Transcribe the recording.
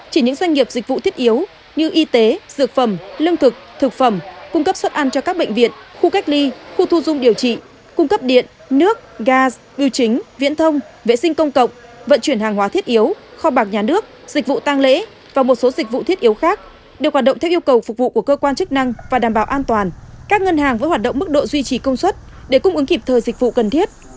chỉ những doanh nghiệp dịch vụ thiết yếu như y tế dược phẩm lương thực thực phẩm cung cấp xuất ăn cho các bệnh viện khu cách ly khu thu dung điều trị cung cấp điện nước gas biểu chính viễn thông vệ sinh công cộng vận chuyển hàng hóa thiết yếu kho bạc nhà nước dịch vụ tăng lễ và một số dịch vụ thiết yếu khác đều hoạt động theo yêu cầu phục vụ của cơ quan chức năng và đảm bảo an toàn các ngân hàng với hoạt động mức độ duy trì công suất để cung ứng kịp thời dịch vụ cần thiết